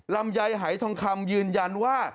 ลำไยหายทองคำยืนยันว่า